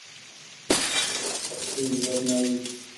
پہ تئی ورنائیءَ